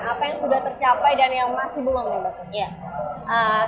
apa yang sudah tercapai dan yang masih belum nih mbak